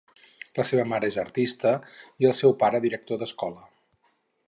La seva mare és artista i el seu pare director d'escola.